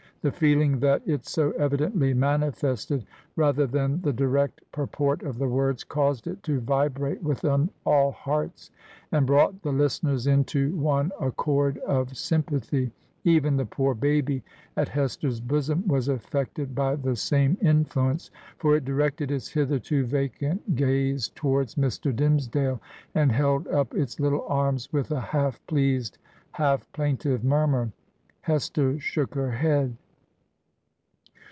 The feeling that it so evidently manifested, rather than the direct pur port of the words, caused it to vibrate within all hearts, and brought the listeners into one accord of sympathy. Even the poor baby, at Hester's bosom, was affected by the same influence; for it directed its hitherto vacant 165 Digitized by VjOOQIC HEROINES OF FICTION gaze towards Mr. Dimmesdale, and held up its little arms, with a half pleased, half plaintive murmur. ... Hester shook her head.